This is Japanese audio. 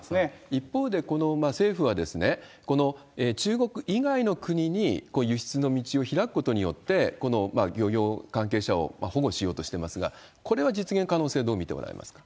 一方で、政府は、中国以外の国に輸出の道を開くことによって、漁業関係者を保護しようとしてますが、これは実現可能性をどう見ておられますか？